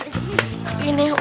ini urusan pria perkasaan